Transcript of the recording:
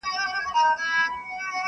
زه چي زهر داسي خورم د موږكانو٫